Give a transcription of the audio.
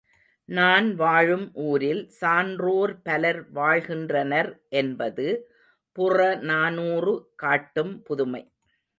நான் வாழும் ஊரில் சான்றோர் பலர் வாழ் கின்றனர் என்பது புறநானூறு காட்டும் புதுமை.